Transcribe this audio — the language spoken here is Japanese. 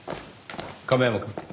亀山くん。